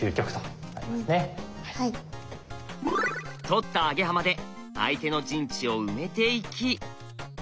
取ったアゲハマで相手の陣地を埋めていき。